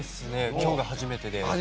今日が初めてで。